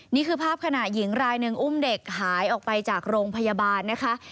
นี่คือภาพขณะหญิงรายหนึ่งอุ้มเด็กหายออกไปจากโรงพยาบาลนะคะ